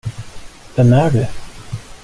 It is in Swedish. Vem är du?